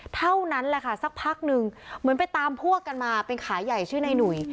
เท่านั้นแหละค่ะสักพักนึงเหมือนไปตามพวกกันมาเป็นขาใหญ่ชื่อนายหนุ่ย